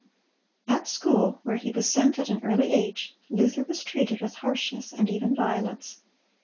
At school, where he was sent at an early age, Luther was treated with harshness and even violence.